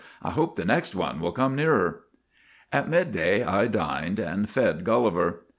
I hope the next one will come nearer.' " At midday I dined, and fed Gulliver.